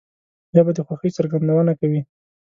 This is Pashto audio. ژبه د خوښۍ څرګندونه کوي